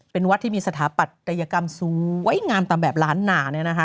เป็นวัดที่มีสถาปัตยกรรมสวยงามตามแบบล้านหนา